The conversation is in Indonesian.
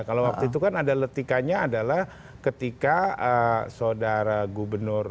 kalau waktu itu kan ada letikanya adalah ketika saudara gubernur